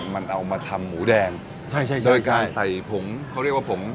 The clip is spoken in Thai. มันเอามาทำหมูแดงใช่ใช่โดยการใส่ผงเขาเรียกว่าผม